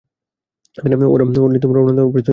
ওরা রওনা দেয়ার প্রস্তুতী নিচ্ছে।